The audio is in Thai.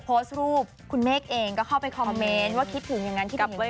โพสต์รูปคุณเมฆเองก็เข้าไปคอมเมนต์ว่าคิดถึงอย่างนั้นที่แบบ